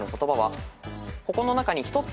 ここの中に１つ。